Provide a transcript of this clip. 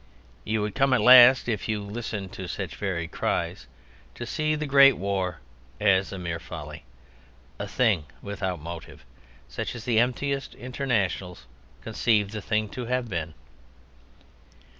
You would come at last (if you listened to such varied cries) to see the Great War as a mere folly, a thing without motive, such as the emptiest internationals conceive the thing to have been.